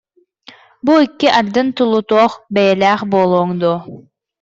Бу икки ардын тулутуох бэйэлээх буолуоҥ дуо